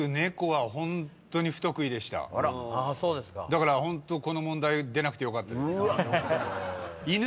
だからホントこの問題出なくてよかったです。